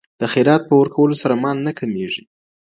د خیرات په ورکولو سره مال نه کمیږي.